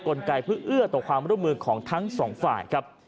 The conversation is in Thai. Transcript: กลไกเพื่อเอื้อต่อความร่วมมือของทั้งสองฝ่ายครับ